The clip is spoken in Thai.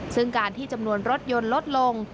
ซึ่งการที่จำนวนรถยนต์ลดลง